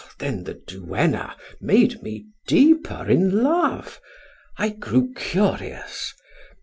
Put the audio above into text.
Ah, then the duenna made me deeper in love. I grew curious.